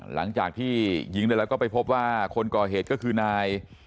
หลังจากที่ยิงได้แล้วก็ไปพบว่าคนก่อเหตุก็คือนาย